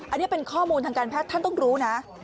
อันนี้เป็นข้อมูลทางการแพทย์ท่านต้องรู้นะ